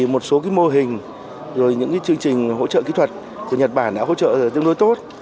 một số mô hình rồi những chương trình hỗ trợ kỹ thuật của nhật bản đã hỗ trợ tương đối tốt